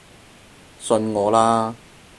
信我啦